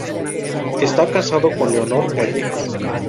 Está casado con Leonor Callejas.